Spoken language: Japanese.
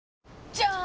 じゃーん！